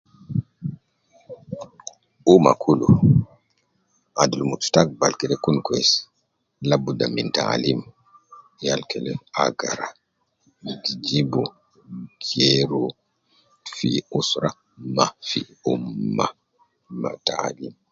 Umma kulu, adul mustakbal kede kun kwesi labda min taalim, yal kede agara, jibu geeru fi usra ma fi umma ,ma tani